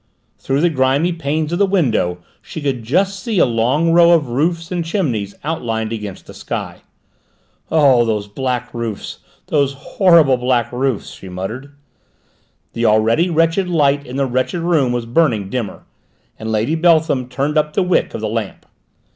Through the grimy panes of the window she could just see a long row of roofs and chimneys outlined against the sky. "Oh, those black roofs, those horrible black roofs!" she muttered. The already wretched light in the wretched room was burning dimmer, and Lady Beltham turned up the wick of the lamp.